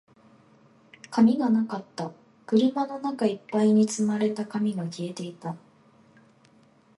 紙がなかった。車の中一杯に積まれた紙が消えていた。